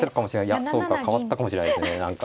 いやそうか変わったかもしれないですね何か。